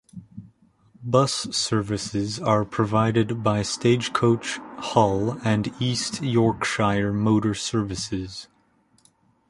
Bus services are provided by Stagecoach Hull and East Yorkshire Motor Services.